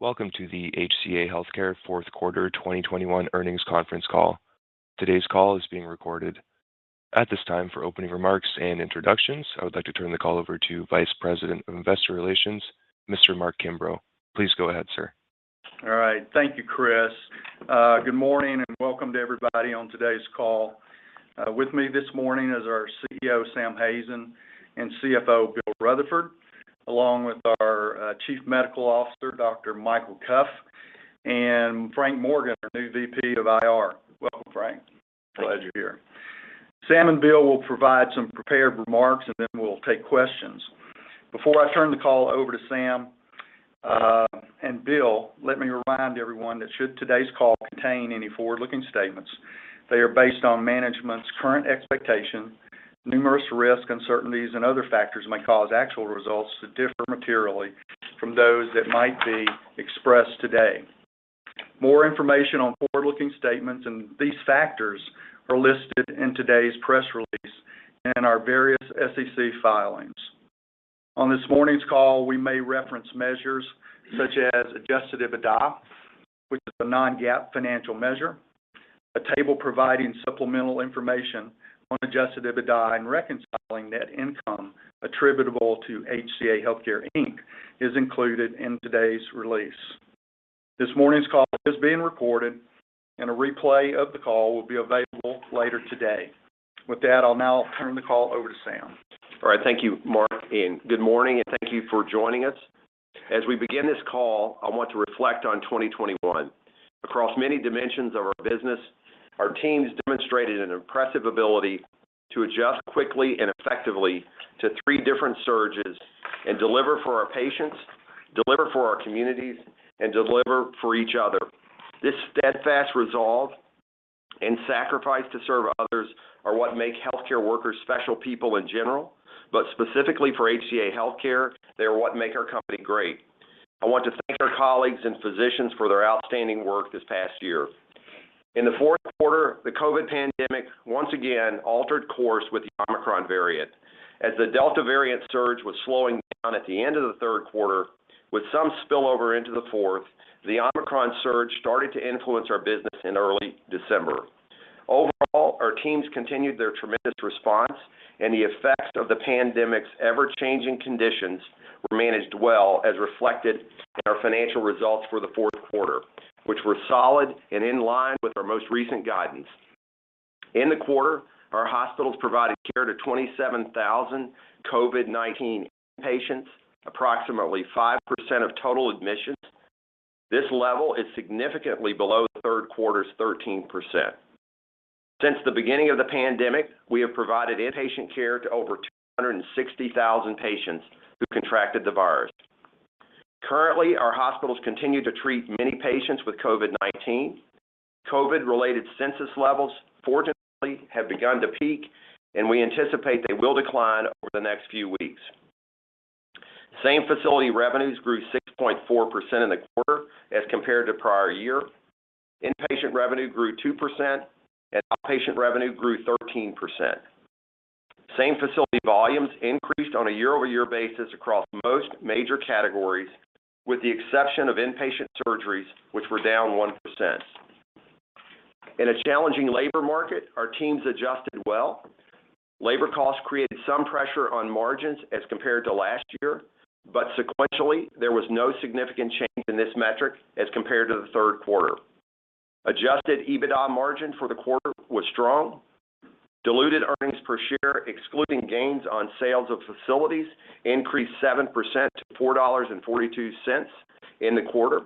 Welcome to the HCA Healthcare Fourth Quarter 2021 Earnings Conference Call. Today's call is being recorded. At this time, for opening remarks and introductions, I would like to turn the call over to Vice President of Investor Relations, Mr. Mark Kimbrough. Please go ahead, sir. All right. Thank you, Chris. Good morning and welcome to everybody on today's call. With me this morning is our CEO, Sam Hazen, and CFO, Bill Rutherford, along with our Chief Medical Officer, Dr. Michael Cuffe, and Frank Morgan, our new VP of IR. Welcome, Frank. Pleasure here. Sam and Bill will provide some prepared remarks, and then we'll take questions. Before I turn the call over to Sam and Bill, let me remind everyone that should today's call contain any forward-looking statements, they are based on management's current expectation. Numerous risks, uncertainties, and other factors may cause actual results to differ materially from those that might be expressed today. More information on forward-looking statements and these factors are listed in today's press release and in our various SEC filings. On this morning's call, we may reference measures such as adjusted EBITDA, which is a non-GAAP financial measure. A table providing supplemental information on adjusted EBITDA and reconciling net income attributable to HCA Healthcare, Inc. is included in today's release. This morning's call is being recorded, and a replay of the call will be available later today. With that, I'll now turn the call over to Sam. All right. Thank you, Mark, and good morning, and thank you for joining us. As we begin this call, I want to reflect on 2021. Across many dimensions of our business, our teams demonstrated an impressive ability to adjust quickly and effectively to three different surges and deliver for our patients, deliver for our communities, and deliver for each other. This steadfast resolve and sacrifice to serve others are what make healthcare workers special people in general, but specifically for HCA Healthcare, they're what make our company great. I want to thank our colleagues and physicians for their outstanding work this past year. In the fourth quarter, the COVID pandemic once again altered course with the Omicron variant. As the Delta variant surge was slowing down at the end of the third quarter with some spillover into the fourth, the Omicron surge started to influence our business in early December. Overall, our teams continued their tremendous response, and the effects of the pandemic's ever-changing conditions were managed well as reflected in our financial results for the fourth quarter, which were solid and in line with our most recent guidance. In the quarter, our hospitals provided care to 27,000 COVID-19 patients, approximately 5% of total admissions. This level is significantly below the third quarter's 13%. Since the beginning of the pandemic, we have provided inpatient care to over 260,000 patients who contracted the virus. Currently, our hospitals continue to treat many patients with COVID-19. COVID-related census levels, fortunately, have begun to peak, and we anticipate they will decline over the next few weeks. Same-facility revenues grew 6.4% in the quarter as compared to prior year. Inpatient revenue grew 2%, and outpatient revenue grew 13%. Same-facility volumes increased on a year-over-year basis across most major categories, with the exception of inpatient surgeries, which were down 1%. In a challenging labor market, our teams adjusted well. Labor costs created some pressure on margins as compared to last year, but sequentially, there was no significant change in this metric as compared to the third quarter. Adjusted EBITDA margin for the quarter was strong. Diluted earnings per share, excluding gains on sales of facilities, increased 7% to $4.42 in the quarter.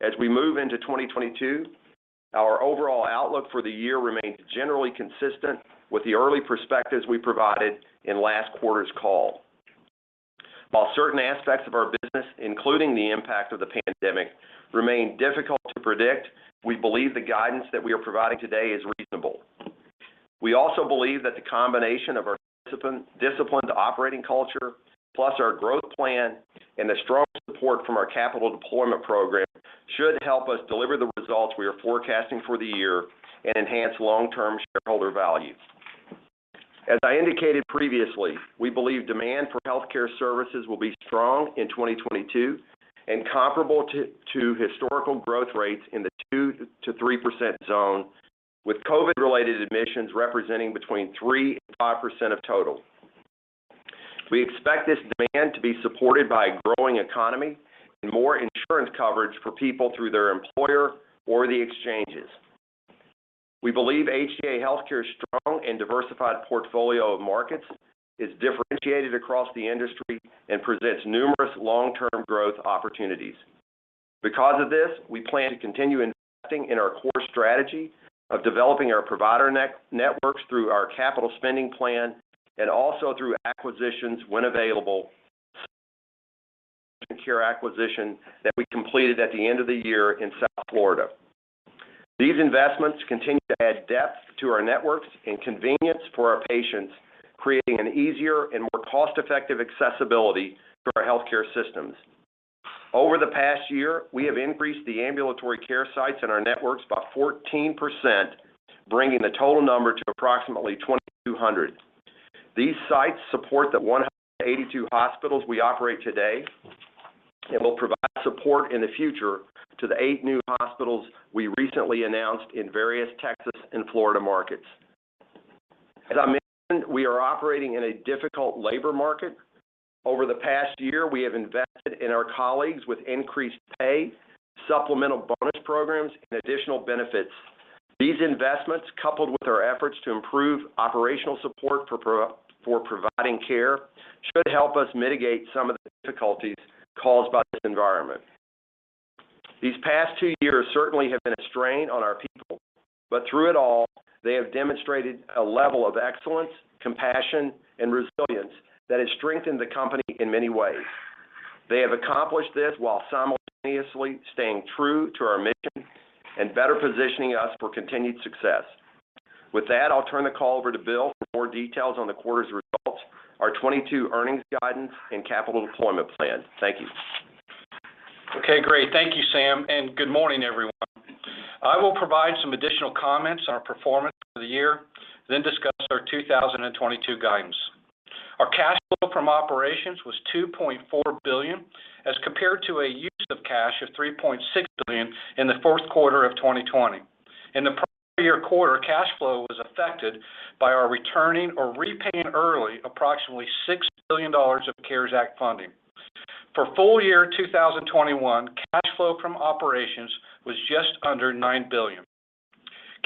As we move into 2022, our overall outlook for the year remains generally consistent with the early perspectives we provided in last quarter's call. While certain aspects of our business, including the impact of the pandemic, remain difficult to predict, we believe the guidance that we are providing today is reasonable. We also believe that the combination of our proven disciplined operating culture, plus our growth plan and the strong support from our capital deployment program should help us deliver the results we are forecasting for the year and enhance long-term shareholder value. As I indicated previously, we believe demand for healthcare services will be strong in 2022 and comparable to historical growth rates in the 2%-3% zone, with COVID-related admissions representing between 3% and 5% of total. We expect this demand to be supported by a growing economy and more insurance coverage for people through their employer or the exchanges. We believe HCA Healthcare's strong and diversified portfolio of markets is differentiated across the industry and presents numerous long-term growth opportunities. Because of this, we plan to continue investing in our core strategy of developing our provider networks through our capital spending plan and also through acquisitions when available care acquisition that we completed at the end of the year in South Florida. These investments continue to add depth to our networks and convenience for our patients, creating an easier and more cost-effective accessibility for our healthcare systems. Over the past year, we have increased the ambulatory care sites in our networks by 14%, bringing the total number to approximately 2,200. These sites support the 182 hospitals we operate today and will provide support in the future to the eight new hospitals we recently announced in various Texas and Florida markets. As I mentioned, we are operating in a difficult labor market. Over the past year, we have invested in our colleagues with increased pay, supplemental bonus programs, and additional benefits. These investments, coupled with our efforts to improve operational support for providing care, should help us mitigate some of the difficulties caused by this environment. These past two years certainly have been a strain on our people. Through it all, they have demonstrated a level of excellence, compassion, and resilience that has strengthened the company in many ways. They have accomplished this while simultaneously staying true to our mission and better positioning us for continued success. With that, I'll turn the call over to Bill for more details on the quarter's results, our 2022 earnings guidance, and capital deployment plan. Thank you. Okay, great. Thank you, Sam, and good morning, everyone. I will provide some additional comments on our performance for the year, then discuss our 2022 guidance. Our cash flow from operations was $2.4 billion, as compared to a use of cash of $3.6 billion in the fourth quarter of 2020. In the prior year quarter, cash flow was affected by our returning or repaying early approximately $6 billion of CARES Act funding. For full year 2021, cash flow from operations was just under $9 billion.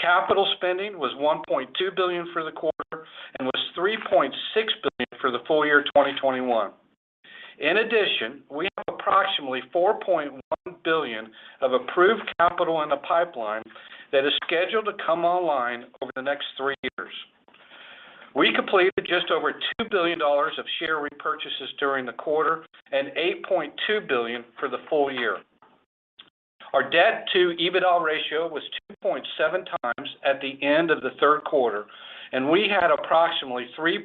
Capital spending was $1.2 billion for the quarter and was $3.6 billion for the full year 2021. In addition, we have approximately $4.1 billion of approved capital in the pipeline that is scheduled to come online over the next three years. We completed just over $2 billion of share repurchases during the quarter and $8.2 billion for the full year. Our debt to EBITDA ratio was 2.7 times at the end of the third quarter, and we had approximately $3.6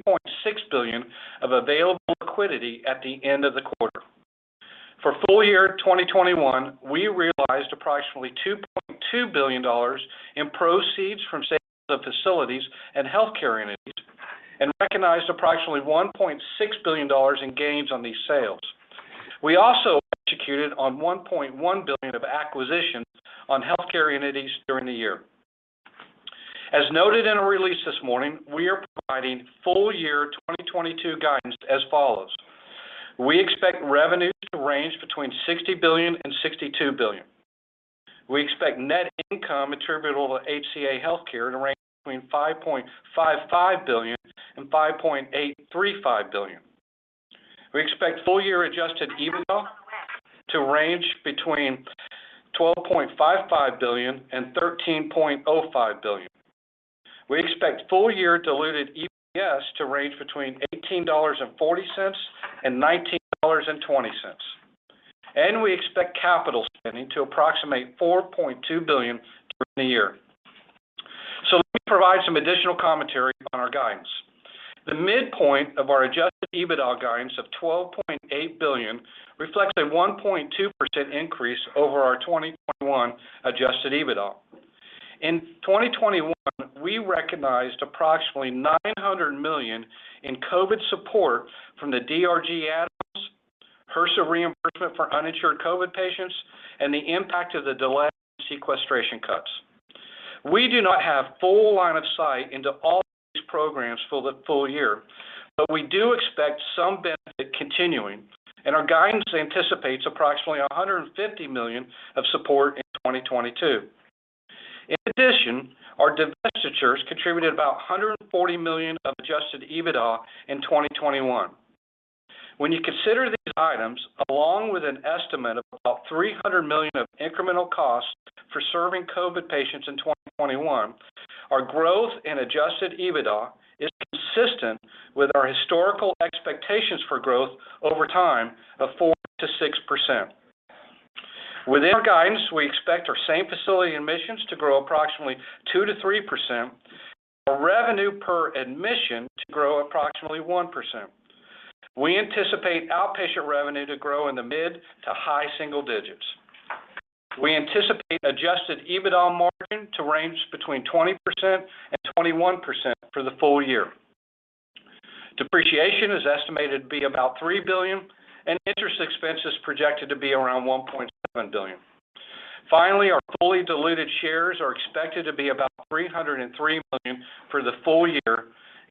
billion of available liquidity at the end of the quarter. For full year 2021, we realized approximately $2.2 billion in proceeds from sales of facilities and healthcare entities and recognized approximately $1.6 billion in gains on these sales. We also executed on $1.1 billion of acquisitions of healthcare entities during the year. As noted in our release this morning, we are providing full year 2022 guidance as follows. We expect revenue to range between $60 billion and $62 billion. We expect net income attributable to HCA Healthcare to range between $5.55 billion and $5.835 billion. We expect full year adjusted EBITDA to range between $12.55 billion and $13.05 billion. We expect full year diluted EPS to range between $18.40 and $19.20. We expect capital spending to approximate $4.2 billion during the year. Let me provide some additional commentary on our guidance. The midpoint of our adjusted EBITDA guidance of $12.8 billion reflects a 1.2% increase over our 2021 adjusted EBITDA. In 2021, we recognized approximately $900 million in COVID support from the DRG add-ons, HRSA reimbursement for uninsured COVID patients, and the impact of the delayed sequestration cuts. We do not have full line of sight into all these programs for the full year, but we do expect some benefit continuing, and our guidance anticipates approximately $150 million of support in 2022. In addition, our divestitures contributed about $140 million of adjusted EBITDA in 2021. When you consider these items, along with an estimate of about $300 million of incremental costs for serving COVID patients in 2021, our growth in adjusted EBITDA is consistent with our historical expectations for growth over time of 4%-6%. Within our guidance, we expect our same-facility admissions to grow approximately 2%-3%, our revenue per admission to grow approximately 1%. We anticipate outpatient revenue to grow in the mid- to high-single digits. We anticipate adjusted EBITDA margin to range between 20% and 21% for the full year. Depreciation is estimated to be about $3 billion, and interest expense is projected to be around $1.7 billion. Finally, our fully diluted shares are expected to be about 303 million for the full year,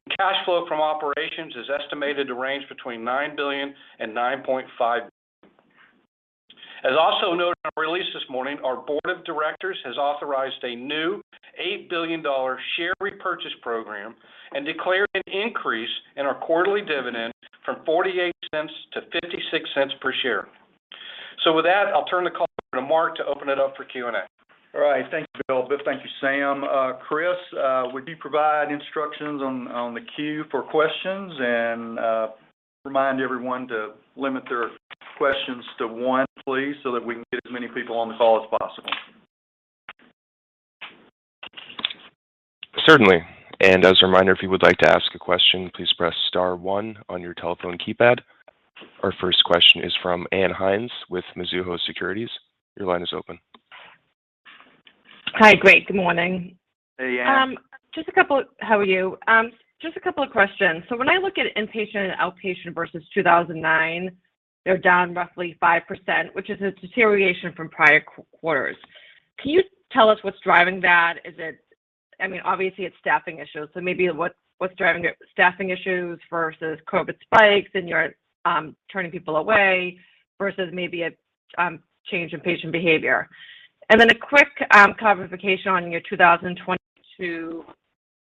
and cash flow from operations is estimated to range between $9 billion and $9.5 billion. As also noted in our release this morning, our board of directors has authorized a new $8 billion share repurchase program and declared an increase in our quarterly dividend from $0.48-$0.56 per share. With that, I'll turn the call over to Mark to open it up for Q&A. All right. Thank you, Bill. Thank you, Sam. Chris, would you provide instructions on the queue for questions and remind everyone to limit their questions to one please so that we can get as many people on the call as possible. Certainly. As a reminder, if you would like to ask a question, please Press Star one on your telephone keypad. Our first question is from Ann Hynes with Mizuho Securities. Your line is open. Hi. Great. Good morning. Hey, Ann. How are you? Just a couple of questions. When I look at inpatient and outpatient versus 2009, they're down roughly 5%, which is a deterioration from prior quarters. Can you tell us what's driving that? Is it, I mean, obviously it's staffing issues, so maybe what's driving it, staffing issues versus COVID spikes, and you're turning people away versus maybe a change in patient behavior. A quick clarification on your 2022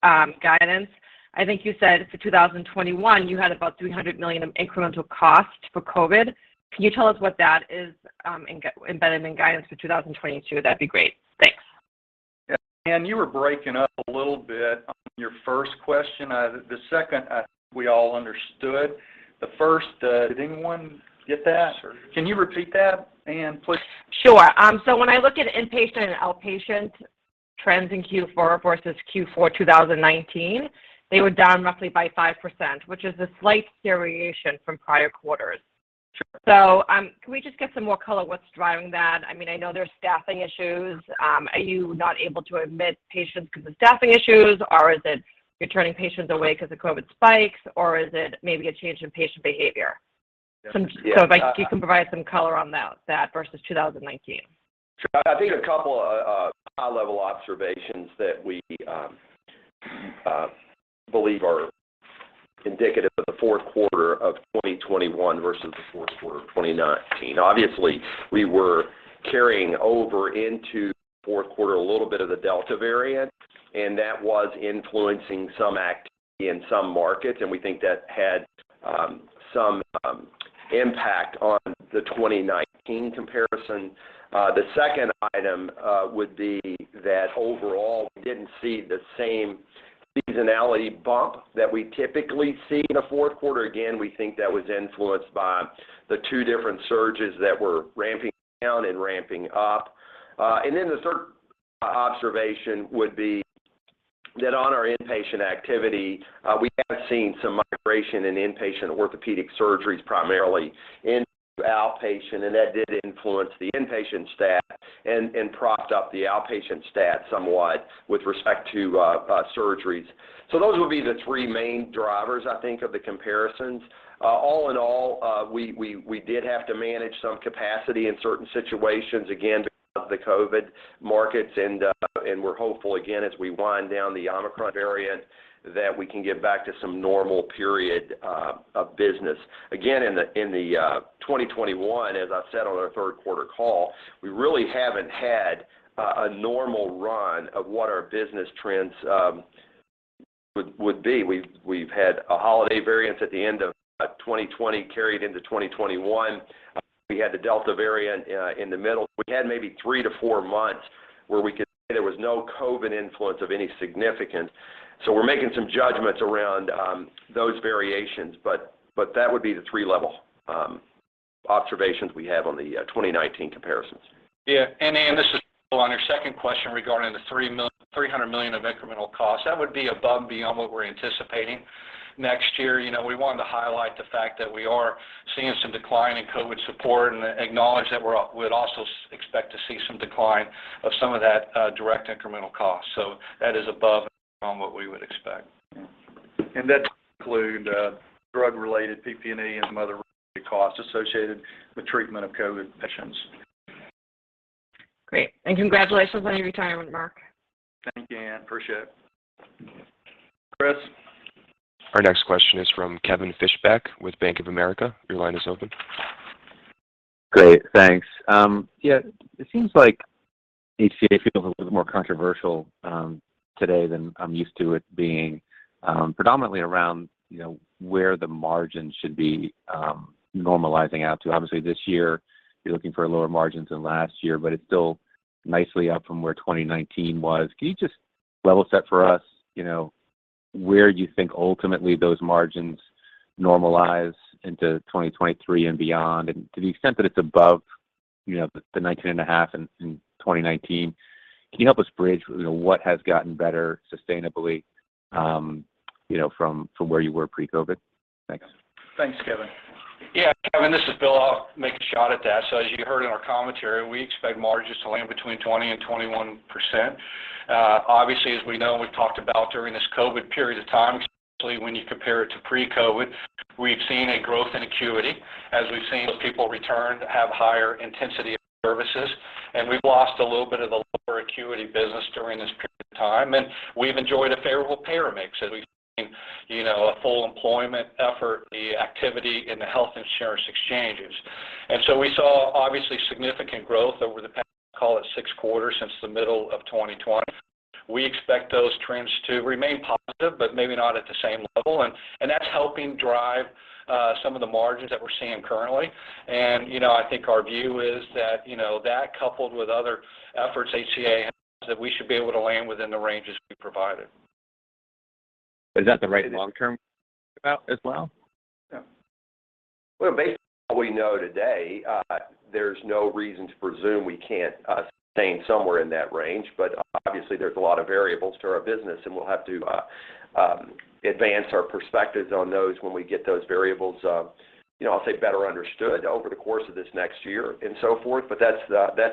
guidance. I think you said for 2021 you had about $300 million in incremental cost for COVID. Can you tell us what that is, embedded in guidance for 2022? That'd be great. Thanks. Yeah. Anne, you were breaking up a little bit on your first question. The second I think we all understood. The first, did anyone get that? Sure. Can you repeat that, Ann, please? Sure. When I look at inpatient and outpatient trends in Q4 versus Q4 2019, they were down roughly by 5%, which is a slight deterioration from prior quarters. Sure. Can we just get some more color on what's driving that? I mean, I know there's staffing issues. Are you not able to admit patients because of staffing issues, or is it you're turning patients away because of COVID spikes, or is it maybe a change in patient behavior? Yeah. You can provide some color on that versus 2019. Sure. I think a couple high level observations that we believe are indicative of the fourth quarter of 2021 versus the fourth quarter of 2019. Obviously, we were carrying over into fourth quarter a little bit of the Delta variant, and that was influencing some activity in some markets, and we think that had some impact on the 2019 comparison. The second item would be that overall we didn't see the same seasonality bump that we typically see in the fourth quarter. Again, we think that was influenced by the two different surges that were ramping down and ramping up. The third observation would be that on our inpatient activity, we have seen some migration in inpatient orthopedic surgeries, primarily into outpatient, and that did influence the inpatient stat and propped up the outpatient stat somewhat with respect to surgeries. Those would be the three main drivers, I think, of the comparisons. All in all, we did have to manage some capacity in certain situations, again, because of the COVID markets and we're hopeful again as we wind down the Omicron variant that we can get back to some normal period of business. Again, in 2021, as I said on our third quarter call, we really haven't had a normal run of what our business trends would be. We've had a holiday variance at the end of 2020 carried into 2021. We had the Delta variant in the middle. We had maybe 3-4 months where we could say there was no COVID influence of any significance. We're making some judgments around those variations, but that would be the three-level observations we have on the 2019 comparisons. Yeah. Ann, this is Bill. On your second question regarding the $300 million of incremental cost, that would be above and beyond what we're anticipating next year. You know, we wanted to highlight the fact that we are seeing some decline in COVID support and acknowledge that we'd also expect to see some decline of some of that direct incremental cost. That is above and beyond what we would expect. Yeah. That does include drug-related PP&E and some other costs associated with treatment of COVID patients. Great. Congratulations on your retirement, Mark. Thank you, Ann. Appreciate it. Chris. Our next question is from Kevin Fischbeck with Bank of America. Your line is open. Great. Thanks. Yeah, it seems like HCA feels a little bit more controversial today than I'm used to it being, predominantly around, you know, where the margin should be normalizing out to. Obviously, this year you're looking for lower margins than last year, but it's still nicely up from where 2019 was. Can you just level set for us, you know, where you think ultimately those margins normalize into 2023 and beyond? To the extent that it's above, you know, the 19.5% in 2019, can you help us bridge, you know, what has gotten better sustainably, from where you were pre-COVID? Thanks. Thanks, Kevin. Yeah, Kevin, this is Bill. I'll make a shot at that. As you heard in our commentary, we expect margins to land between 20%-21%. Obviously, as we know and we've talked about during this COVID period of time, especially when you compare it to pre-COVID, we've seen a growth in acuity as we've seen people return and have higher intensity of services. We've lost a little bit of the lower acuity business during this period of time, and we've enjoyed a favorable payer mix as we've seen, you know, a full employment effort, the activity in the health insurance exchanges. We saw obviously significant growth over the past, call it six quarters since the middle of 2020. We expect those trends to remain positive, but maybe not at the same level. That's helping drive some of the margins that we're seeing currently. You know, I think our view is that, you know, that coupled with other efforts HCA has, that we should be able to land within the ranges we provided. Is that the right long term to think about as well? Well, based on what we know today, there's no reason to presume we can't sustain somewhere in that range. Obviously, there's a lot of variables to our business, and we'll have to advance our perspectives on those when we get those variables, you know, I'll say better understood over the course of this next year and so forth. That's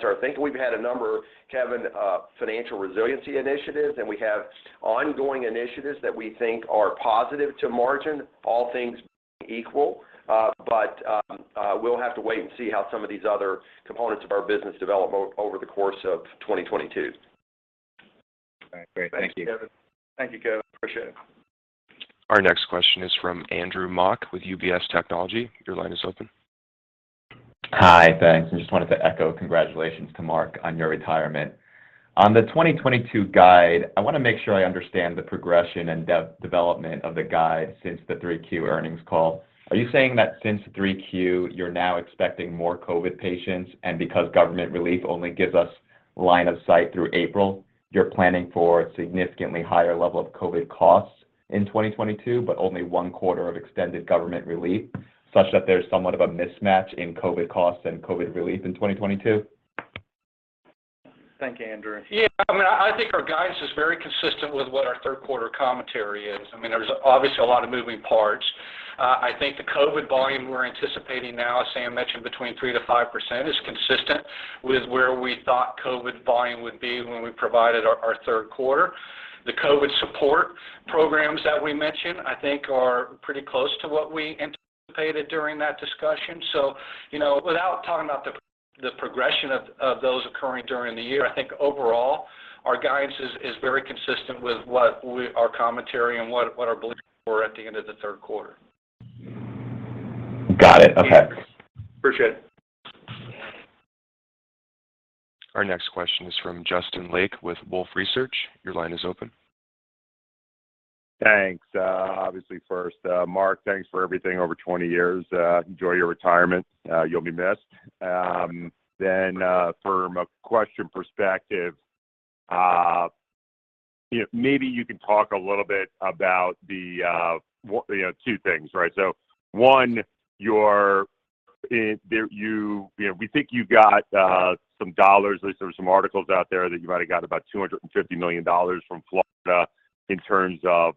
our thinking. We've had a number, Kevin, financial resiliency initiatives, and we have ongoing initiatives that we think are positive to margin, all things being equal. We'll have to wait and see how some of these other components of our business develop over the course of 2022. All right. Great. Thank you. Thanks, Kevin. Thank you, Kevin. Appreciate it. Our next question is from Andrew Mok with UBS. Your line is open. Hi. Thanks. I just wanted to echo congratulations to Mark on your retirement. On the 2022 guide, I wanna make sure I understand the progression and development of the guide since the 3Q earnings call. Are you saying that since the 3Q, you're now expecting more COVID patients, and because government relief only gives us line of sight through April, you're planning for significantly higher level of COVID costs in 2022, but only one quarter of extended government relief, such that there's somewhat of a mismatch in COVID costs and COVID relief in 2022? Thank you, Andrew. Yeah. I mean, I think our guidance is very consistent with what our third quarter commentary is. I mean, there's obviously a lot of moving parts. I think the COVID volume we're anticipating now, as Sam mentioned, between 3%-5%, is consistent with where we thought COVID volume would be when we provided our third quarter. The COVID support programs that we mentioned, I think are pretty close to what we anticipated during that discussion. So, you know, without talking about the progression of those occurring during the year, I think overall our guidance is very consistent with what our commentary and what our beliefs were at the end of the third quarter. Got it. Okay. Appreciate it. Our next question is from Justin Lake with Wolfe Research. Your line is open. Thanks. Obviously first, Mark, thanks for everything over 20 years. Enjoy your retirement. You'll be missed. Then, from a question perspective, you know, maybe you can talk a little bit about the, you know, two things, right? One, you're, you know, we think you got some dollars, at least there were some articles out there that you might have got about $250 million from Florida in terms of,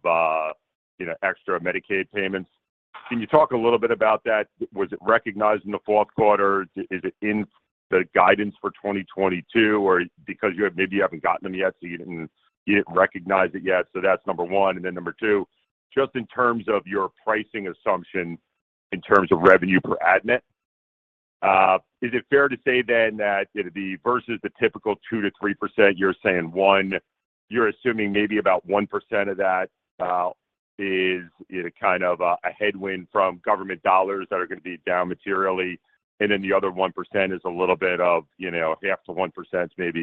you know, extra Medicaid payments. Can you talk a little bit about that? Was it recognized in the fourth quarter? Is it in the guidance for 2022? Or because maybe you haven't gotten them yet, so you didn't recognize it yet. That's one. Number 2, just in terms of your pricing assumption in terms of revenue per admit, is it fair to say that, you know, versus the typical 2%-3%, you're saying 1%, you're assuming maybe about 1% of that, is, you know, kind of a headwind from government dollars that are gonna be down materially, and then the other 1% is a little bit of, you know, if half the 1% is maybe,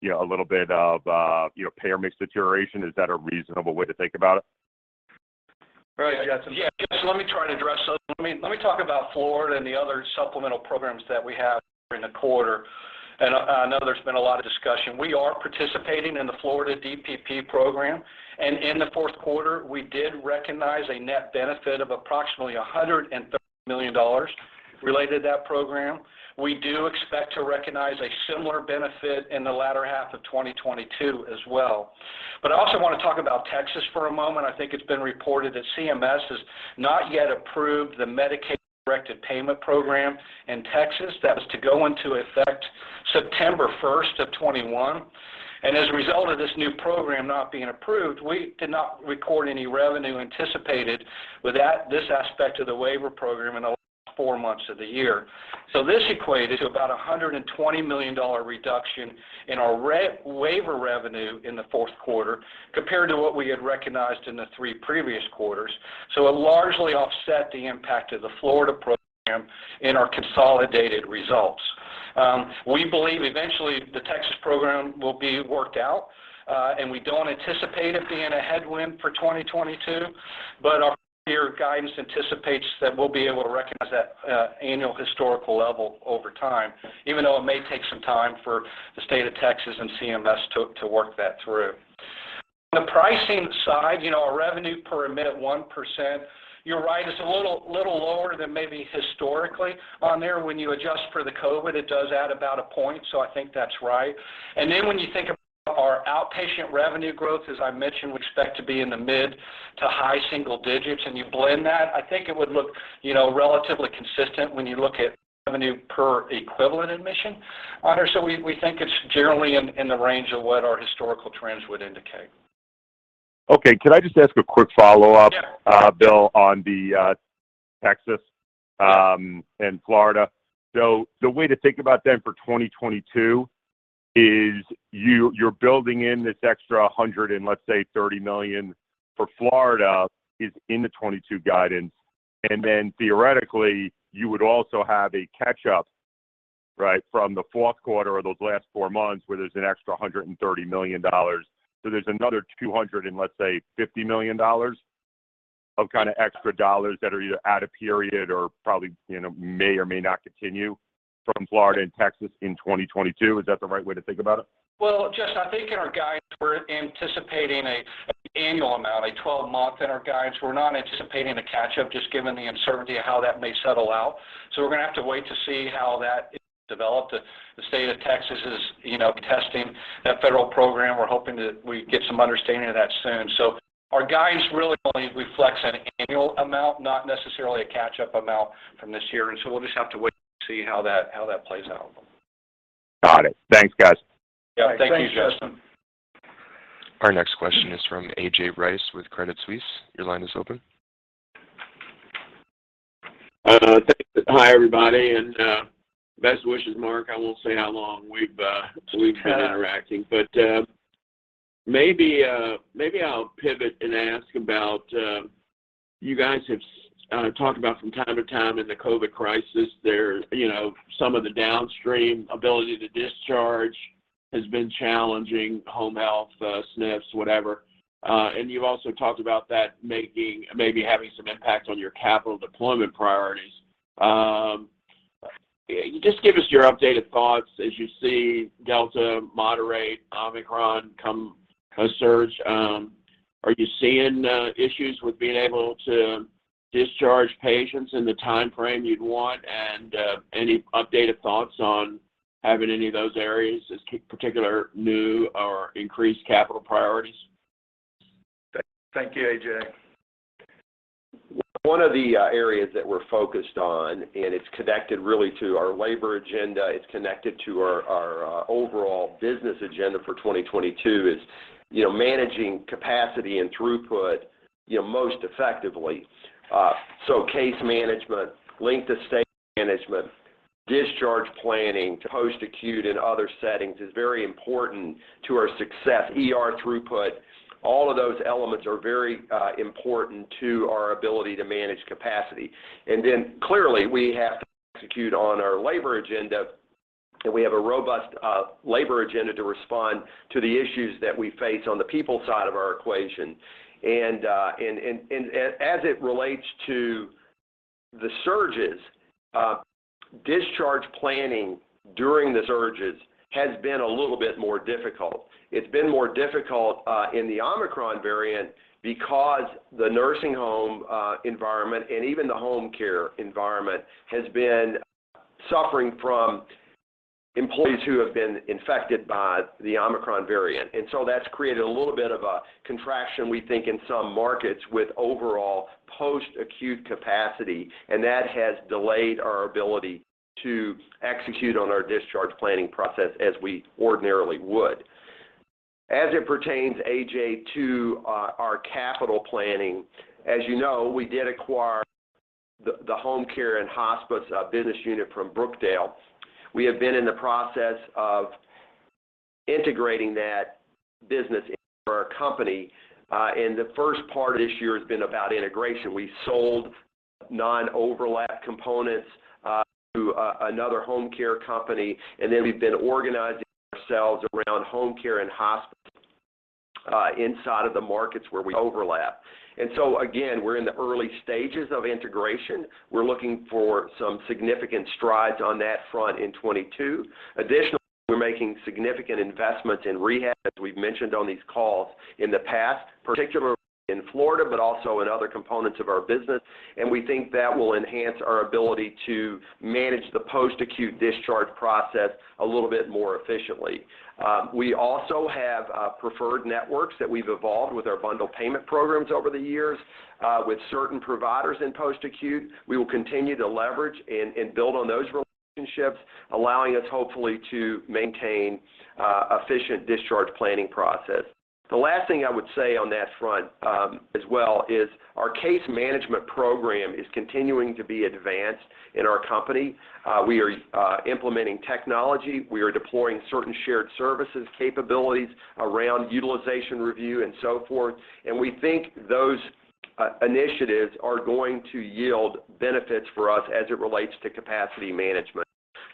you know, payer mix deterioration. Is that a reasonable way to think about it? Right. Yeah. Let me try to address those. Let me talk about Florida and the other supplemental programs that we have during the quarter. I know there's been a lot of discussion. We are participating in the Florida DPP program, and in the fourth quarter, we did recognize a net benefit of approximately $130 million related to that program. We do expect to recognize a similar benefit in the latter half of 2022 as well. I also wanna talk about Texas for a moment. I think it's been reported that CMS has not yet approved the Medicaid Directed Payment program in Texas that was to go into effect 1st September of 2021. As a result of this new program not being approved, we did not record any revenue anticipated with that, this aspect of the waiver program in the last four months of the year. This equated to about a $120 million reduction in our waiver revenue in the fourth quarter compared to what we had recognized in the three previous quarters. It largely offset the impact of the Florida program in our consolidated results. We believe eventually the Texas program will be worked out, and we don't anticipate it being a headwind for 2022, but our year guidance anticipates that we'll be able to recognize that annual historical level over time, even though it may take some time for the state of Texas and CMS to work that through. On the pricing side, you know, our revenue per admit 1%, you're right, it's a little lower than maybe historically on there. When you adjust for the COVID, it does add about a point, so I think that's right. Then when you think about our outpatient revenue growth, as I mentioned, we expect to be in the mid- to high-single digits%, and you blend that, I think it would look, you know, relatively consistent when you look at revenue per equivalent admission on there. We think it's generally in the range of what our historical trends would indicate. Okay. Can I just ask a quick follow-up? Yeah. Bill, on the Texas and Florida? The way to think about them for 2022 is you're building in this extra $130 million for Florida is in the 2022 guidance. Then theoretically, you would also have a catch-up, right, from the fourth quarter or those last four months, where there's an extra $130 million. There's another $250 million of kind of extra dollars that are either at a period or probably, you know, may or may not continue from Florida and Texas in 2022. Is that the right way to think about it? Well, Justin, I think in our guidance, we're anticipating an annual amount, a 12 month in our guidance. We're not anticipating a catch-up, just given the uncertainty of how that may settle out. We're gonna have to wait to see how that is developed. The state of Texas is, you know, testing that federal program. We're hoping that we get some understanding of that soon. Our guidance really only reflects an annual amount, not necessarily a catch-up amount from this year. We'll just have to wait to see how that plays out. Got it. Thanks, guys. Yeah. Thank you, Justin. Our next question is from A.J. Rice with Credit Suisse. Your line is open. Thanks. Hi, everybody, and best wishes, Mark. I won't say how long we've been interacting. Maybe I'll pivot and ask about you guys have talked about from time to time in the COVID crisis there, you know, some of the downstream ability to discharge has been challenging, home health, SNFs, whatever. And you've also talked about that making maybe having some impact on your capital deployment priorities. Just give us your updated thoughts as you see Delta moderate, Omicron come surge. Are you seeing issues with being able to discharge patients in the timeframe you'd want? And any updated thoughts on having any of those areas as particular new or increased capital priorities? Thank you, A.J. One of the areas that we're focused on, and it's connected really to our labor agenda, it's connected to our overall business agenda for 2022 is, you know, managing capacity and throughput, you know, most effectively. Case management, length of stay management, discharge planning to post-acute and other settings is very important to our success. ER throughput, all of those elements are very important to our ability to manage capacity. Clearly, we have to execute on our labor agenda, and we have a robust labor agenda to respond to the issues that we face on the people side of our equation. As it relates to the surges, discharge planning during the surges has been a little bit more difficult. It's been more difficult in the Omicron variant because the nursing home environment and even the home care environment has been suffering from employees who have been infected by the Omicron variant. That's created a little bit of a contraction, we think, in some markets with overall post-acute capacity, and that has delayed our ability to execute on our discharge planning process as we ordinarily would. As it pertains, AJ, to our capital planning, as you know, we did acquire the home care and hospice business unit from Brookdale. We have been in the process of integrating that business into our company, and the first part of this year has been about integration. We sold non-overlap components to another home care company, and then we've been organizing ourselves around home care and hospice inside of the markets where we overlap. We're in the early stages of integration. We're looking for some significant strides on that front in 2022. Additionally, we're making significant investments in rehab, as we've mentioned on these calls in the past, particularly in Florida, but also in other components of our business. We think that will enhance our ability to manage the post-acute discharge process a little bit more efficiently. We also have preferred networks that we've evolved with our bundle payment programs over the years with certain providers in post-acute. We will continue to leverage and build on those relationships, allowing us hopefully to maintain efficient discharge planning process. The last thing I would say on that front, as well, is our case management program is continuing to be advanced in our company. We are implementing technology. We are deploying certain shared services capabilities around utilization review and so forth. We think those initiatives are going to yield benefits for us as it relates to capacity management.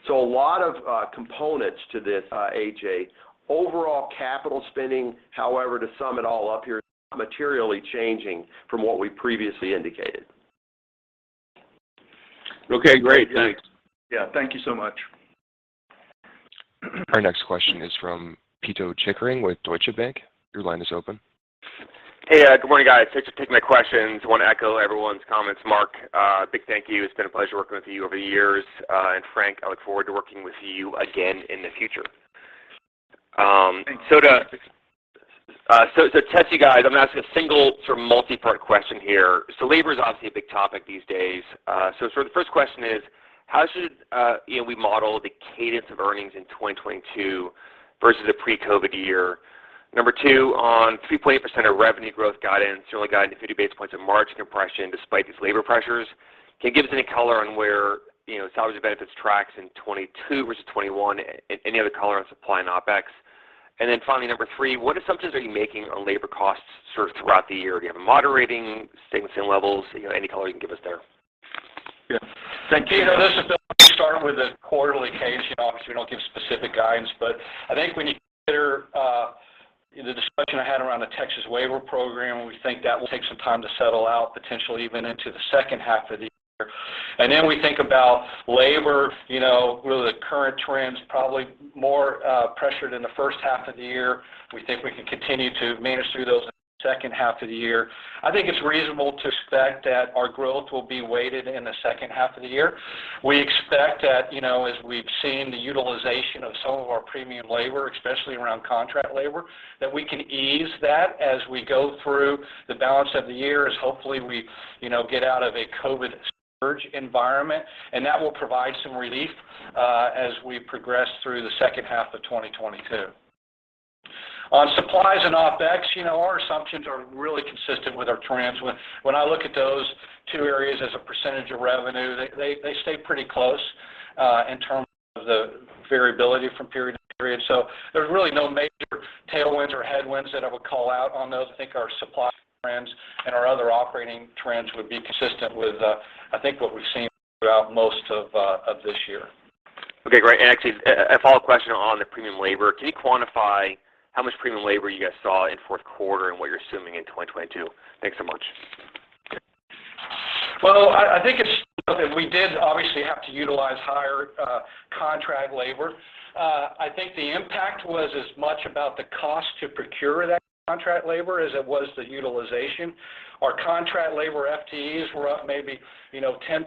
A lot of components to this, A.J. Overall capital spending, however, to sum it all up here, is not materially changing from what we previously indicated. Okay, great. Thanks. Yeah. Thank you so much. Our next question is from Pito Chickering with Deutsche Bank. Your line is open. Hey. Good morning, guys. Thanks for taking my questions. I want to echo everyone's comments. Mark, big thank you. It's been a pleasure working with you over the years. Frank, I look forward to working with you again in the future. Thanks. To test you guys, I'm gonna ask a single sort of multi-part question here. Labor is obviously a big topic these days. Sort of the first question is: How should, you know, we model the cadence of earnings in 2022 versus a pre-COVID year? Number two, on 3.8% of revenue growth guidance, you only guided 50 basis points of margin compression despite these labor pressures. Can you give us any color on where, you know, salary to benefits tracks in 2022 versus 2021? Any other color on supply and OpEx? And then finally, number three, what assumptions are you making on labor costs sort of throughout the year? Do you have a moderating, staying the same levels? You know, any color you can give us there? Yeah. Thank you. This is Bill. Let me start with the quarterly case, you know, because we don't give specific guidance. I think when you consider, the discussion I had around the Texas waiver program, we think that will take some time to settle out, potentially even into the second half of the year. Then we think about labor, you know, really the current trends, probably more pressured in the first half of the year. We think we can continue to manage through those in the second half of the year. I think it's reasonable to expect that our growth will be weighted in the second half of the year. We expect that, you know, as we've seen the utilization of some of our premium labor, especially around contract labor, that we can ease that as we go through the balance of the year as hopefully we, you know, get out of a COVID surge environment, and that will provide some relief as we progress through the second half of 2022. On supplies and OpEx, you know, our assumptions are really consistent with our trends. When I look at those two areas as a percentage of revenue, they stay pretty close in terms of the variability from period to period. So there's really no major tailwinds or headwinds that I would call out on those. I think our supply trends and our other operating trends would be consistent with what we've seen throughout most of this year. Okay, great. Actually a follow-up question on the premium labor. Can you quantify how much premium labor you guys saw in fourth quarter and what you're assuming in 2022? Thanks so much. I think it's. We did obviously have to utilize higher contract labor. I think the impact was as much about the cost to procure that contract labor as it was the utilization. Our contract labor FTEs were up maybe 10%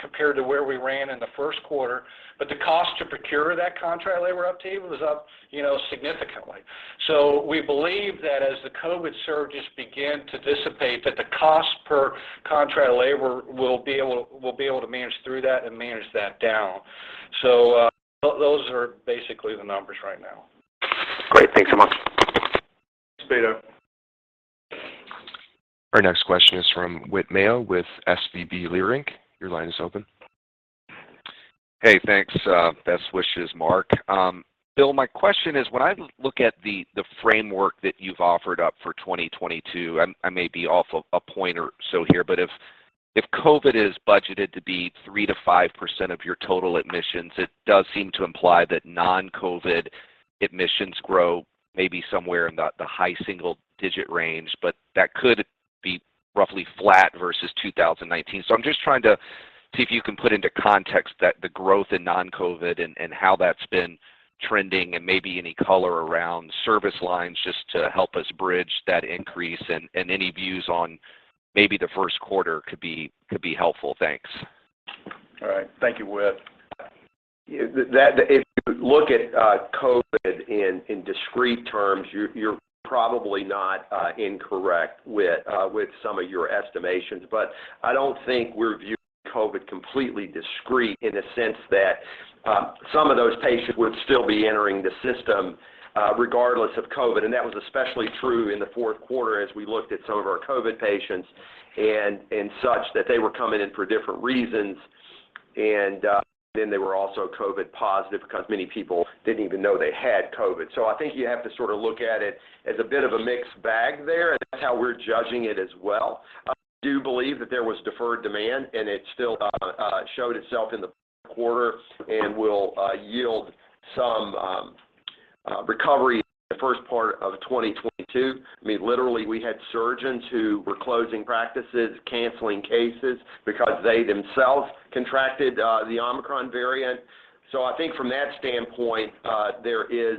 compared to where we ran in the first quarter. The cost to procure that contract labor, too, was up significantly. We believe that as the COVID surges begin to dissipate, the cost per contract labor, we'll be able to manage through that and manage that down. Those are basically the numbers right now. Great. Thanks so much. Thanks, Peter. Our next question is from Whit Mayo with SVB Leerink. Your line is open. Hey, thanks. Best wishes, Mark. Bill, my question is, when I look at the framework that you've offered up for 2022, I may be off a point or so here, but if COVID is budgeted to be 3%-5% of your total admissions, it does seem to imply that non-COVID admissions grow maybe somewhere in the high single-digit range. That could be roughly flat versus 2019. I'm just trying to see if you can put into context the growth in non-COVID and how that's been trending and maybe any color around service lines just to help us bridge that increase and any views on maybe the first quarter could be helpful. Thanks. All right. Thank you, Whit. If you look at COVID in discrete terms, you're probably not incorrect with some of your estimations. But I don't think we're viewing COVID completely discrete in the sense that some of those patients would still be entering the system regardless of COVID, and that was especially true in the fourth quarter as we looked at some of our COVID patients and such that they were coming in for different reasons, and then they were also COVID positive because many people didn't even know they had COVID. So I think you have to sort of look at it as a bit of a mixed bag there, and that's how we're judging it as well. I do believe that there was deferred demand, and it still showed itself in the quarter and will yield some recovery in the first part of 2022. I mean, literally, we had surgeons who were closing practices, canceling cases because they themselves contracted the Omicron variant. I think from that standpoint, there is,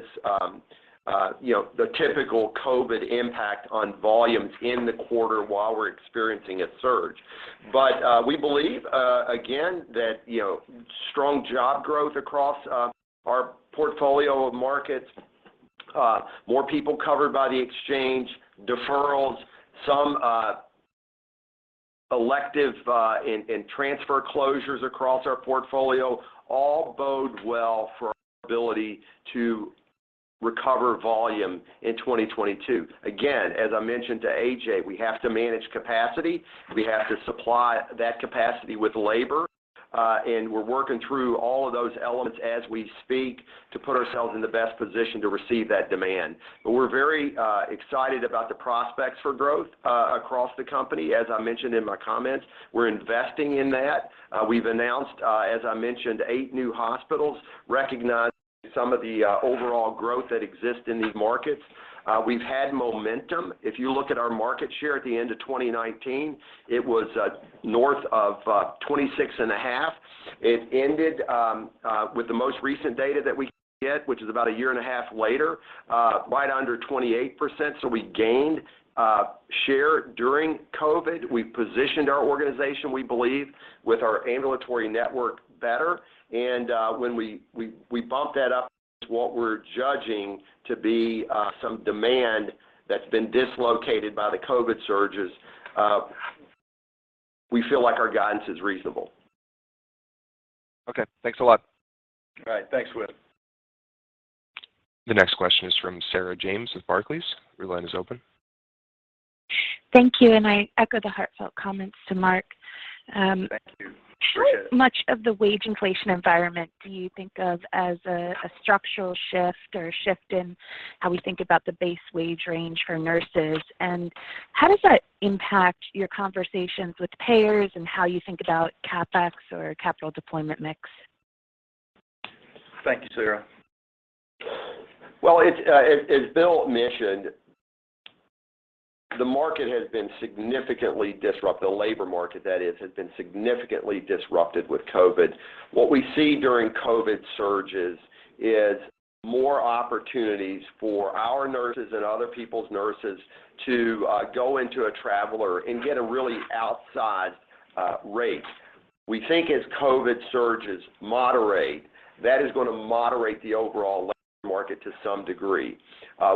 you know, the typical COVID impact on volumes in the quarter while we're experiencing a surge. We believe, again that, you know, strong job growth across our portfolio of markets, more people covered by the exchange, deferrals, some elective and transfer closures across our portfolio all bode well for our ability to recover volume in 2022. Again, as I mentioned to A.J., we have to manage capacity. We have to supply that capacity with labor, and we're working through all of those elements as we speak to put ourselves in the best position to receive that demand. We're very excited about the prospects for growth across the company. As I mentioned in my comments, we're investing in that. We've announced, as I mentioned, eight new hospitals, recognizing some of the overall growth that exists in these markets. We've had momentum. If you look at our market share at the end of 2019, it was north of 26.5%. It ended with the most recent data that we get, which is about a year and a half later, right under 28%. We gained share during COVID. We positioned our organization, we believe, with our ambulatory network better. When we bump that up with what we're judging to be some demand that's been dislocated by the COVID surges, we feel like our guidance is reasonable. Okay. Thanks a lot. All right. Thanks, Whit. The next question is from Sarah James with Barclays. Your line is open. Thank you, and I echo the heartfelt comments to Mark. Thank you. How much of the wage inflation environment do you think of as a structural shift or a shift in how we think about the base wage range for nurses? How does that impact your conversations with payers and how you think about CapEx or capital deployment mix? Thank you, Sarah. Well, it's as Bill mentioned, the labor market, that is, has been significantly disrupted with COVID. What we see during COVID surges is more opportunities for our nurses and other people's nurses to go into travel and get a really outsized rate. We think as COVID surges moderate, that is gonna moderate the overall labor market to some degree.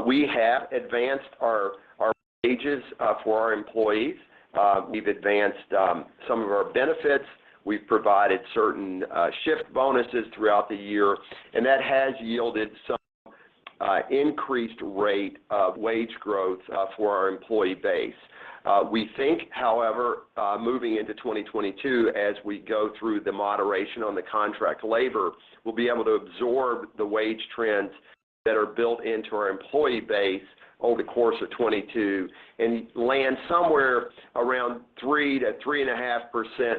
We have announced our wages for our employees. We've announced some of our benefits. We've provided certain shift bonuses throughout the year, and that has yielded some increased rate of wage growth for our employee base. We think, however, moving into 2022 as we go through the moderation on the contract labor, we'll be able to absorb the wage trends that are built into our employee base over the course of 2022 and land somewhere around 3%-3.5%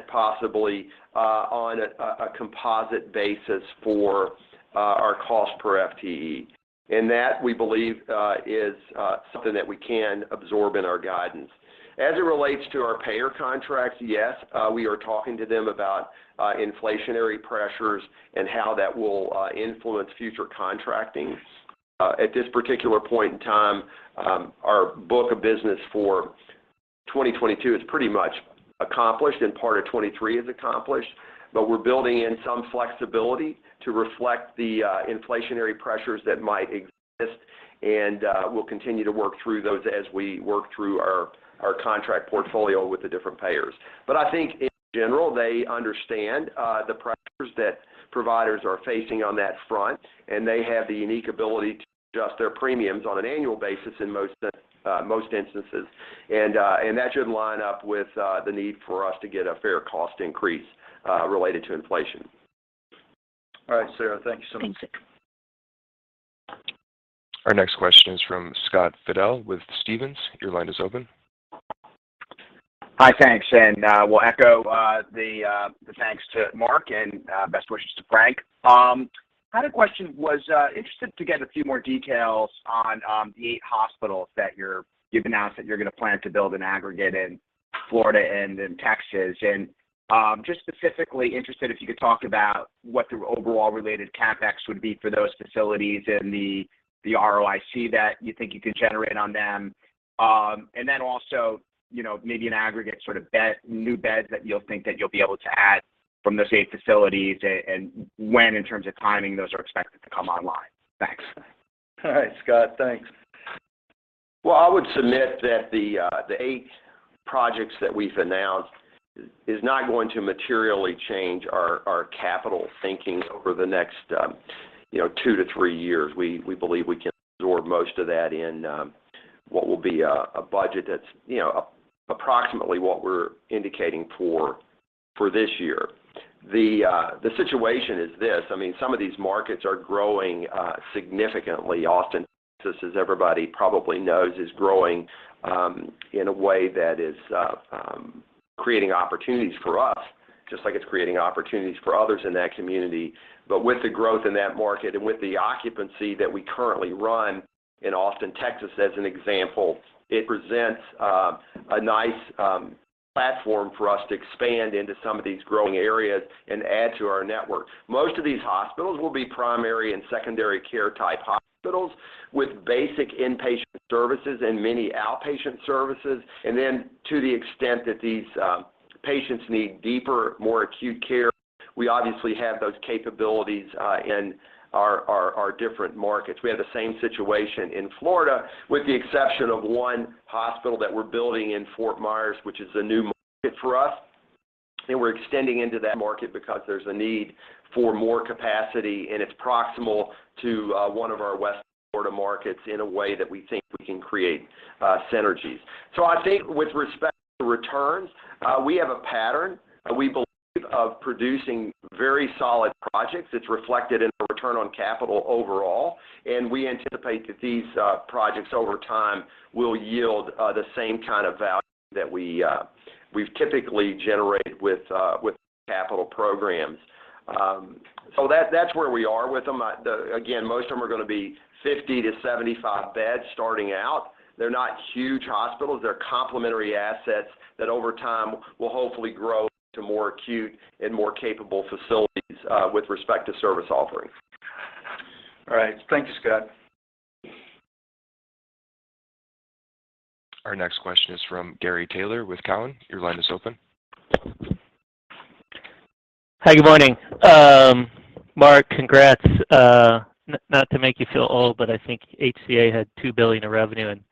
possibly, on a composite basis for our cost per FTE. That, we believe, is something that we can absorb in our guidance. As it relates to our payer contracts, yes, we are talking to them about inflationary pressures and how that will influence future contracting. At this particular point in time, our book of business for 2022 is pretty much accomplished, and part of 2023 is accomplished. We're building in some flexibility to reflect the inflationary pressures that might exist, and we'll continue to work through those as we work through our contract portfolio with the different payers. I think in general, they understand the pressures that providers are facing on that front, and they have the unique ability to adjust their premiums on an annual basis in most instances. That should line up with the need for us to get a fair cost increase related to inflation. All right, Sarah. Thank you so much. Thanks. Our next question is from Scott Fidel with Stephens. Your line is open. Hi. Thanks. We'll echo the thanks to Mark and best wishes to Frank. I had a question. I was interested to get a few more details on the 8 hospitals that you've announced that you're gonna plan to build an aggregate in Florida and in Texas. Just specifically interested if you could talk about what the overall related CapEx would be for those facilities and the ROIC that you think you could generate on them. You know, maybe an aggregate sort of bed new beds that you'll think that you'll be able to add from those eight facilities and when in terms of timing those are expected to come online. Thanks. All right, Scott. Thanks. Well, I would submit that the eight projects that we've announced is not going to materially change our capital thinking over the next, you know, 2-3 years. We believe we can absorb most of that in what will be a budget that's approximately what we're indicating for this year. The situation is this. I mean, some of these markets are growing significantly. Austin, Texas, as everybody probably knows, is growing in a way that is creating opportunities for us just like it's creating opportunities for others in that community. With the growth in that market and with the occupancy that we currently run in Austin, Texas, as an example, it presents a nice platform for us to expand into some of these growing areas and add to our network. Most of these hospitals will be primary and secondary care type hospitals with basic inpatient services and many outpatient services. Then to the extent that these patients need deeper, more acute care, we obviously have those capabilities in our different markets. We have the same situation in Florida with the exception of one hospital that we're building in Fort Myers which is a new market for us. We're extending into that market because there's a need for more capacity and it's proximal to one of our West Florida markets in a way that we think we can create synergies. I think with respect to returns, we have a pattern we believe of producing very solid projects. It's reflected in the return on capital overall. We anticipate that these projects over time will yield the same kind of value that we've typically generated with capital programs. That's where we are with them. Again, most of them are gonna be 50-75 beds starting out. They're not huge hospitals. They're complementary assets that over time will hopefully grow to more acute and more capable facilities with respect to service offerings. All right. Thank you, Scott. Our next question is from Gary Taylor with Cowen. Your line is open. Hi. Good morning. Mark, congrats. Not to make you feel old, but I think HCA had $2 billion in revenue in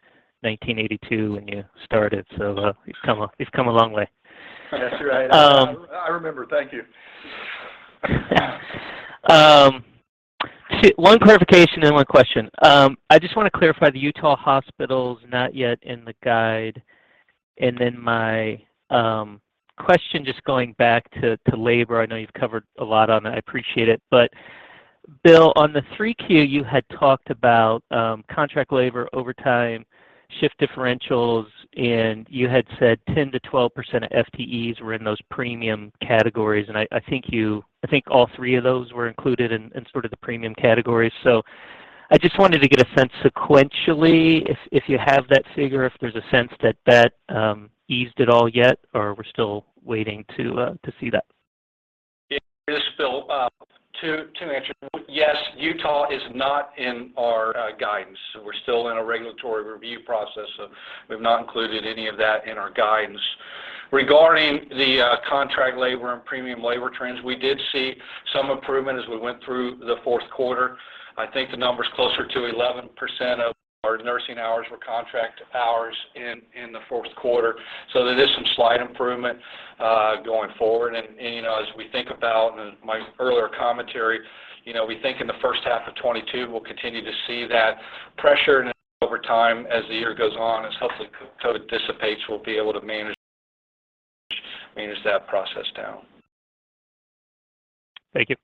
1982 when you started, so you've come a long way. That's right. Um- I remember. Thank you. One clarification and one question. I just wanna clarify the Utah hospitals not yet in the guide. Then my question just going back to labor. I know you've covered a lot on that. I appreciate it. Bill, on the 3Q, you had talked about contract labor overtime, shift differentials, and you had said 10%-12% of FTEs were in those premium categories. I think all three of those were included in sort of the premium categories. I just wanted to get a sense sequentially if you have that figure, if there's a sense that that eased at all yet or we're still waiting to see that. This is Bill. To answer, yes, Utah is not in our guidance. We're still in a regulatory review process, so we've not included any of that in our guidance. Regarding the contract labor and premium labor trends, we did see some improvement as we went through the fourth quarter. I think the number is closer to 11% of our nursing hours were contract hours in the fourth quarter. So there is some slight improvement going forward. You know, as we think about in my earlier commentary, you know, we think in the first half of 2022 we'll continue to see that pressure and over time as the year goes on, as hopefully COVID dissipates, we'll be able to manage that process down. Thank you.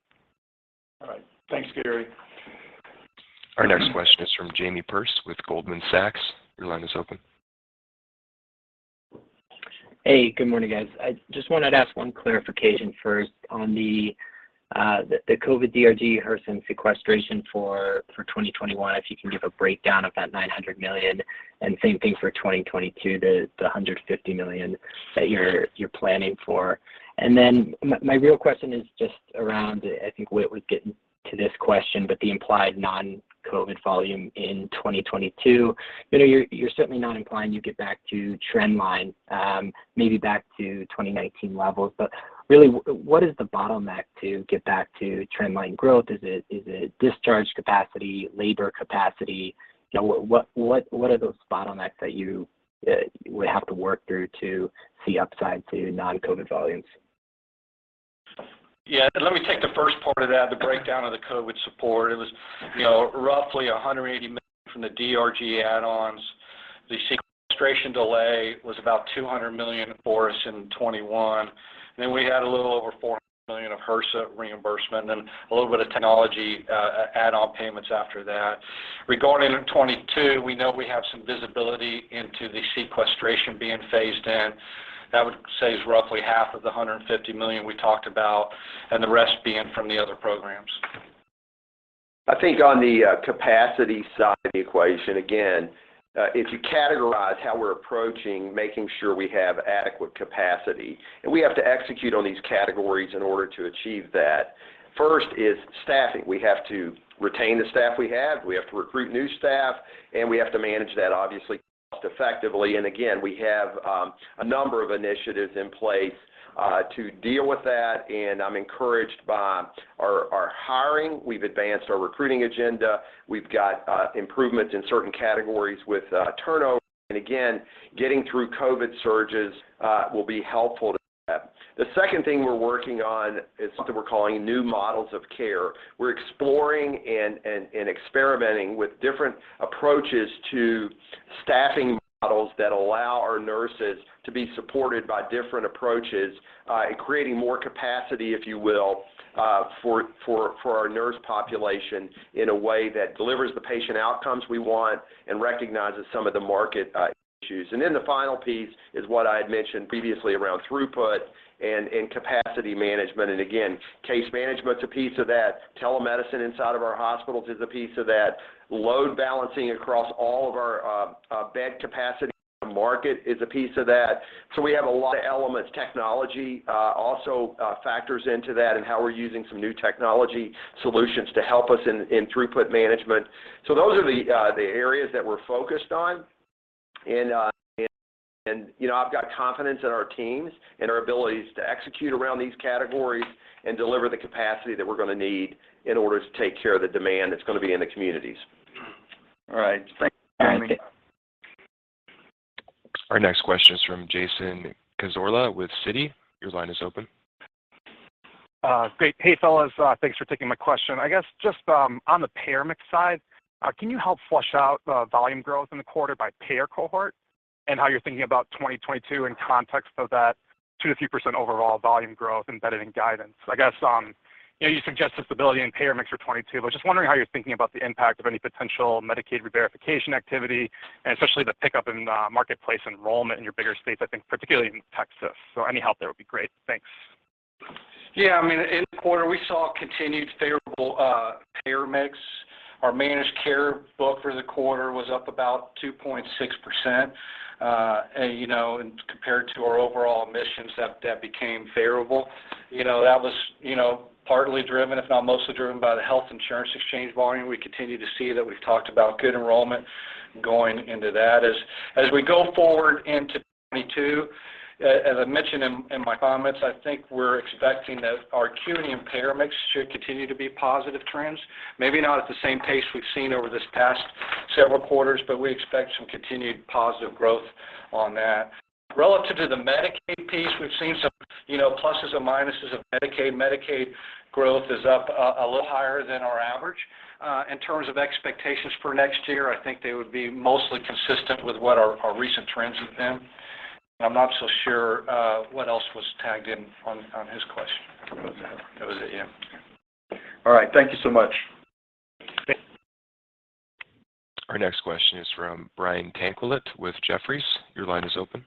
All right. Thanks, Gary. Our next question is from Jamie Perse with Goldman Sachs. Your line is open. Hey, good morning, guys. I just wanted to ask one clarification first on the COVID DRG HRSA sequestration for 2021, if you can give a breakdown of that $900 million, and same thing for 2022, the $150 million that you're planning for. Then my real question is just around, I think Whit was getting to this question, but the implied non-COVID volume in 2022. You know, you're certainly not implying you get back to trend line, maybe back to 2019 levels. Really what is the bottleneck to get back to trend line growth? Is it discharge capacity, labor capacity? You know, what are those bottlenecks that you would have to work through to see upside to non-COVID volumes? Yeah, let me take the first part of that, the breakdown of the COVID support. It was, you know, roughly $180 million from the DRG add-ons. The sequestration delay was about $200 million for us in 2021. Then we had a little over $400 million of HRSA reimbursement, and a little bit of technology add-on payments after that. Regarding in 2022, we know we have some visibility into the sequestration being phased in. That would save roughly half of the $150 million we talked about, and the rest being from the other programs. I think on the capacity side of the equation, again, if you categorize how we're approaching making sure we have adequate capacity, and we have to execute on these categories in order to achieve that. First is staffing. We have to retain the staff we have, we have to recruit new staff, and we have to manage that obviously cost effectively. Again, we have a number of initiatives in place to deal with that, and I'm encouraged by our hiring. We've advanced our recruiting agenda. We've got improvements in certain categories with turnover. Again, getting through COVID surges will be helpful to that. The second thing we're working on is something we're calling new models of care. We're exploring and experimenting with different approaches to staffing models that allow our nurses to be supported by different approaches, creating more capacity, if you will, for our nurse population in a way that delivers the patient outcomes we want and recognizes some of the market issues. Then the final piece is what I had mentioned previously around throughput and capacity management. Again, case management's a piece of that. Telemedicine inside of our hospitals is a piece of that. Load balancing across all of our bed capacity to market is a piece of that. We have a lot of elements. Technology also factors into that and how we're using some new technology solutions to help us in throughput management. Those are the areas that we're focused on. you know, I've got confidence in our teams and our abilities to execute around these categories and deliver the capacity that we're going to need in order to take care of the demand that's going to be in the communities. All right. Thank you, Jamie. Our next question is from Jason Cassorla with Citi. Your line is open. Great. Hey, fellas. Thanks for taking my question. I guess just, on the payer mix side, can you help flesh out, volume growth in the quarter by payer cohort and how you're thinking about 2022 in context of that 2%-3% overall volume growth embedded in guidance? I guess, you know, you suggest stability in payer mix for 2022, but just wondering how you're thinking about the impact of any potential Medicaid reverification activity and especially the pickup in the marketplace enrollment in your bigger states, I think particularly in Texas. Any help there would be great. Thanks. Yeah. I mean, in the quarter, we saw continued favorable payer mix. Our managed care book for the quarter was up about 2.6%. And compared to our overall admissions, that became favorable. You know, that was partly driven, if not mostly driven, by the health insurance exchange volume. We continue to see that. We've talked about good enrollment going into that. As we go forward into 2022, as I mentioned in my comments, I think we're expecting that our acuity and payer mix should continue to be positive trends, maybe not at the same pace we've seen over this past several quarters, but we expect some continued positive growth on that. Relative to the Medicaid piece, we've seen some pluses and minuses of Medicaid. Medicaid growth is up a little higher than our average. In terms of expectations for next year, I think they would be mostly consistent with what our recent trends have been. I'm not so sure what else was tagged in on his question. That was it. That was it. Yeah. All right. Thank you so much. Thank you. Our next question is from Brian Tanquilut with Jefferies. Your line is open.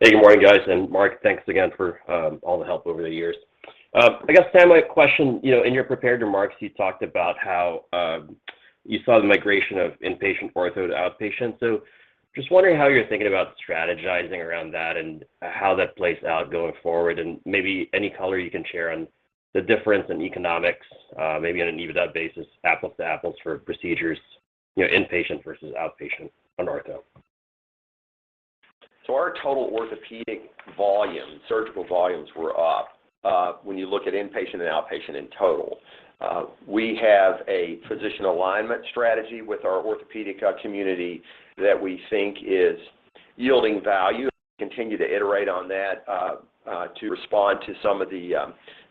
Hey, good morning, guys. Mark, thanks again for all the help over the years. I guess, Sam, my question, you know, in your prepared remarks, you talked about how you saw the migration of inpatient ortho to outpatient. Just wondering how you're thinking about strategizing around that and how that plays out going forward. Maybe any color you can share on the difference in economics, maybe on an EBITDA basis, apples to apples for procedures, you know, inpatient versus outpatient on ortho. Our total orthopedic volume, surgical volumes were up when you look at inpatient and outpatient in total. We have a physician alignment strategy with our orthopedic community that we think is yielding value, continue to iterate on that to respond to some of the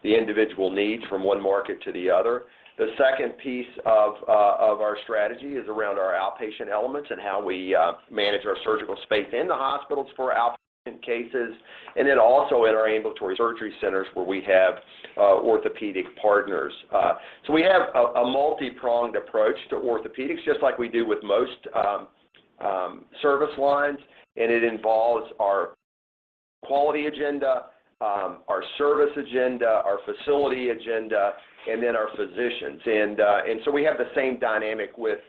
individual needs from one market to the other. The second piece of our strategy is around our outpatient elements and how we manage our surgical space in the hospitals for outpatient cases, and then also in our ambulatory surgery centers where we have orthopedic partners. We have a multipronged approach to orthopedics just like we do with most service lines, and it involves our quality agenda, our service agenda, our facility agenda, and then our physicians. We have the same dynamic with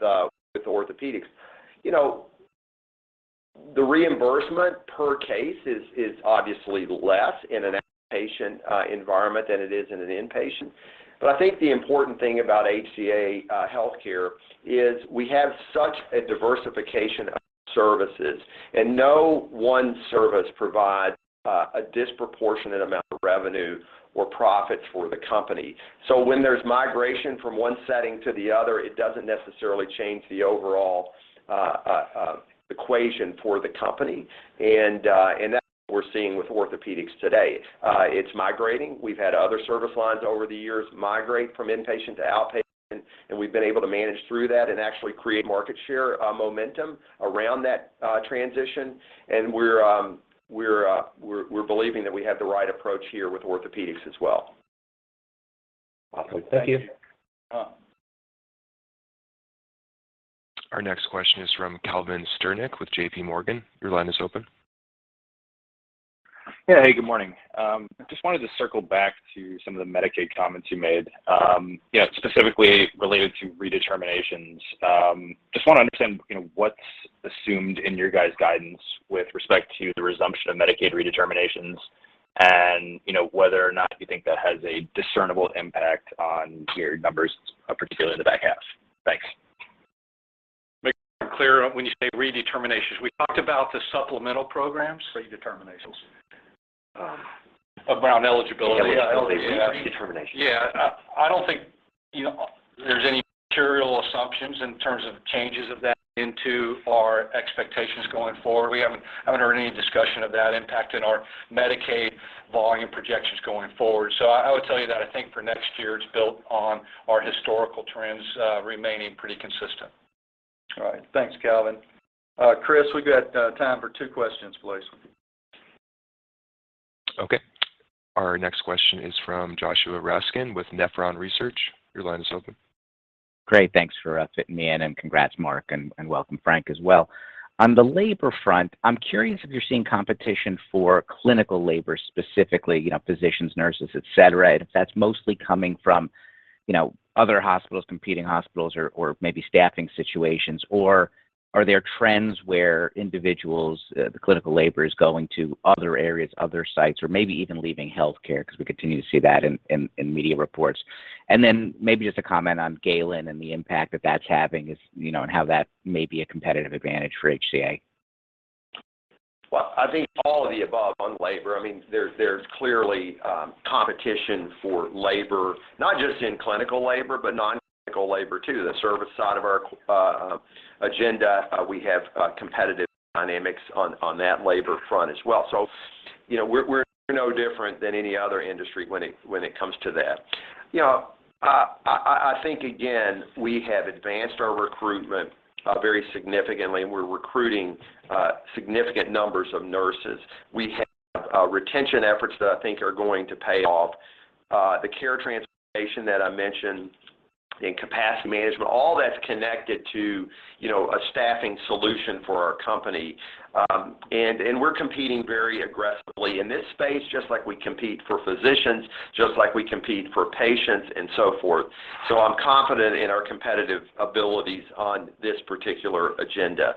orthopedics. You know, the reimbursement per case is obviously less in an outpatient environment than it is in an inpatient. I think the important thing about HCA Healthcare is we have such a diversification of services, and no one service provides a disproportionate amount of revenue or profits for the company. When there's migration from one setting to the other, it doesn't necessarily change the overall equation for the company. That's what we're seeing with orthopedics today. It's migrating. We've had other service lines over the years migrate from inpatient to outpatient, and we've been able to manage through that and actually create market share momentum around that transition. We're believing that we have the right approach here with orthopedics as well. Awesome. Thank you. Uh. Our next question is from Calvin Sternick with JP Morgan. Your line is open. Yeah. Hey, good morning. Just wanted to circle back to some of the Medicaid comments you made, you know, specifically related to redeterminations. Just wanna understand, you know, what's assumed in your guys' guidance with respect to the resumption of Medicaid redeterminations and, you know, whether or not you think that has a discernible impact on your numbers, particularly in the back half. Thanks. Make clear when you say redeterminations, we talked about the supplemental programs. Redeterminations. Around eligibility. Yeah, we I don't think, you know, there's any material assumptions in terms of changes of that into our expectations going forward. I haven't heard any discussion of that impact in our Medicaid volume projections going forward. I would tell you that I think for next year, it's built on our historical trends remaining pretty consistent. All right. Thanks, Calvin. Chris, we've got time for two questions, please. Okay. Our next question is from Joshua Raskin with Nephron Research. Your line is open. Great. Thanks for fitting me in, and congrats, Mark, and welcome Frank as well. On the labor front, I'm curious if you're seeing competition for clinical labor, specifically, you know, physicians, nurses, et cetera. If that's mostly coming from, you know, other hospitals, competing hospitals or maybe staffing situations, or are there trends where individuals, the clinical labor is going to other areas, other sites, or maybe even leaving healthcare because we continue to see that in media reports. Then maybe just a comment on Galen and the impact that that's having, you know, and how that may be a competitive advantage for HCA. Well, I think all of the above on labor. I mean, there's clearly competition for labor, not just in clinical labor, but non-clinical labor too. The service side of our agenda, we have competitive dynamics on that labor front as well. You know, we're no different than any other industry when it comes to that. You know, I think, again, we have advanced our recruitment very significantly, and we're recruiting significant numbers of nurses. We have retention efforts that I think are going to pay off. The care transformation that I mentioned in capacity management, all that's connected to you know, a staffing solution for our company. We're competing very aggressively in this space just like we compete for physicians, just like we compete for patients and so forth. I'm confident in our competitive abilities on this particular agenda.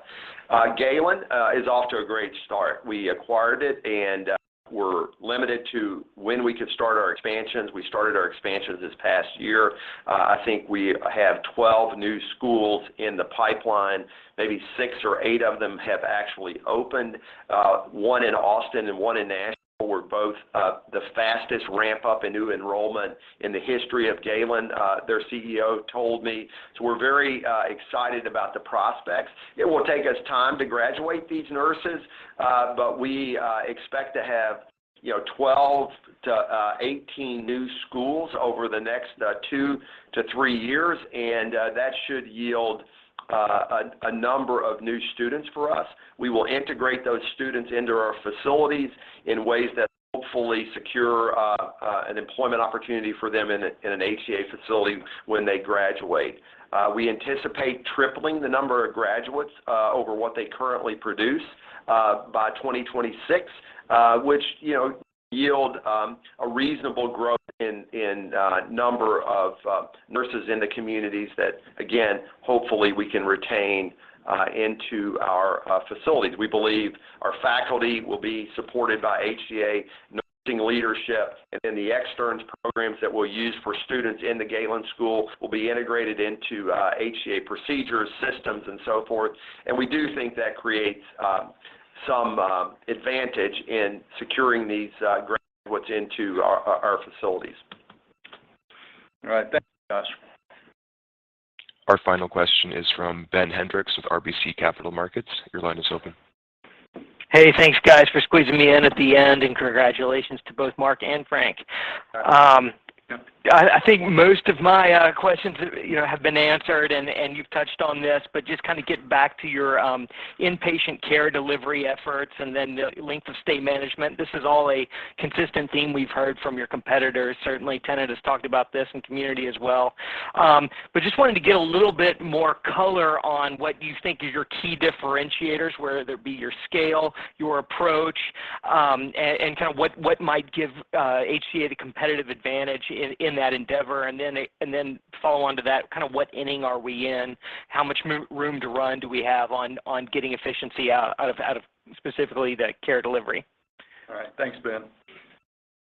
Galen is off to a great start. We acquired it, and we're limited to when we could start our expansions. We started our expansions this past year. I think we have 12 new schools in the pipeline. Maybe six or eight of them have actually opened. One in Austin and one in Nashville were both the fastest ramp-up in new enrollment in the history of Galen, their CEO told me. We're very excited about the prospects. It will take us time to graduate these nurses, but we expect to have, you know, 12-18 new schools over the next two to three years, and that should yield a number of new students for us. We will integrate those students into our facilities in ways that hopefully secure an employment opportunity for them in an HCA facility when they graduate. We anticipate tripling the number of graduates over what they currently produce by 2026, which you know yield a reasonable growth in number of nurses in the communities that again hopefully we can retain into our facilities. We believe our faculty will be supported by HCA nursing leadership and then the externs programs that we'll use for students in the Galen School will be integrated into HCA procedures, systems and so forth. We do think that creates some advantage in securing these graduates into our facilities. All right. Thank you, Josh. Our final question is from Ben Hendrix with RBC Capital Markets. Your line is open. Hey, thanks guys for squeezing me in at the end and congratulations to both Mark and Frank. I think most of my questions, you know, have been answered, and you've touched on this, but just kinda getting back to your inpatient care delivery efforts and then the length of stay management. This is all a consistent theme we've heard from your competitors. Certainly, Tenet has talked about this and Community as well. Just wanted to get a little bit more color on what you think is your key differentiators, whether they be your scale, your approach, and kinda what might give HCA the competitive advantage in that endeavor. Follow on to that, kinda what inning are we in? How much room to run do we have on getting efficiency out of specifically the care delivery? All right. Thanks, Ben.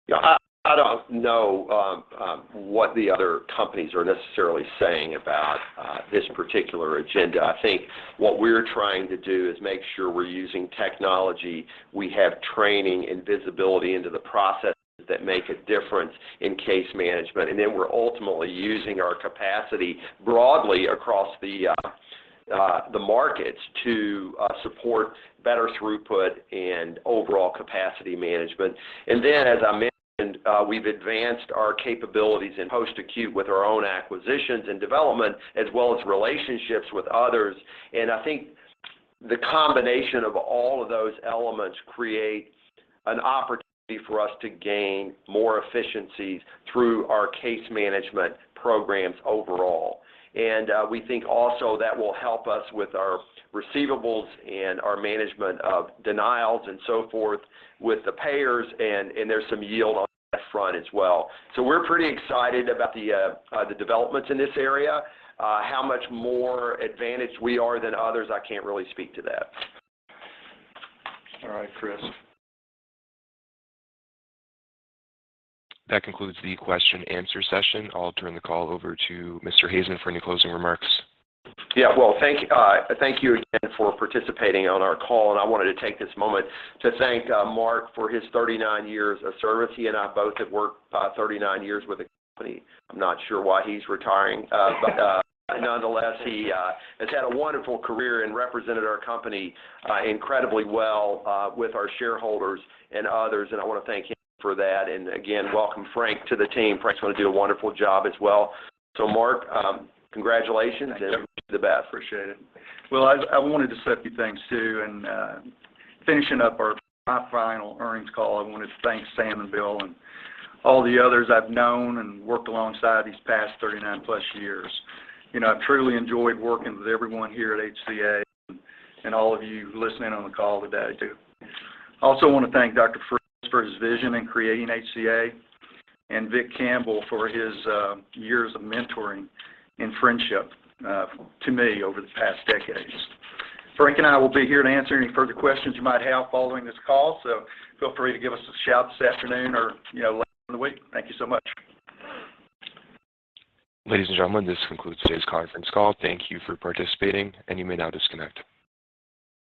Yeah, I don't know what the other companies are necessarily saying about this particular agenda. I think what we're trying to do is make sure we're using technology. We have training and visibility into the processes that make a difference in case management. We're ultimately using our capacity broadly across the markets to support better throughput and overall capacity management. As I mentioned, we've advanced our capabilities in post-acute with our own acquisitions and development as well as relationships with others. I think the combination of all of those elements creates an opportunity for us to gain more efficiencies through our case management programs overall. We think also that will help us with our receivables and our management of denials and so forth with the payers and there's some yield on that front as well. We're pretty excited about the developments in this area. How much more advantaged we are than others, I can't really speak to that. All right, Chris. That concludes the question-answer session. I'll turn the call over to Mr. Hazen for any closing remarks. Yeah. Well, thank you again for participating on our call, and I wanted to take this moment to thank Mark for his 39 years of service. He and I both have worked 39 years with the company. I'm not sure why he's retiring, but nonetheless, he has had a wonderful career and represented our company incredibly well with our shareholders and others, and I wanna thank him for that. Again, welcome Frank to the team. Frank's gonna do a wonderful job as well. Mark, congratulations. Thank you. the best. Appreciate it. Well, I wanted to say a few things too, finishing up my final earnings call, I wanted to thank Sam and Bill and all the others I've known and worked alongside these past 39+ years. You know, I've truly enjoyed working with everyone here at HCA and all of you listening on the call today too. I also wanna thank Dr. Frist for his vision in creating HCA and Vic Campbell for his years of mentoring and friendship to me over the past decades. Frank and I will be here to answer any further questions you might have following this call, so feel free to give us a shout this afternoon or, you know, later in the week. Thank you so much. Ladies and gentlemen, this concludes today's Conference Call. Thank you for participating, and you may now disconnect.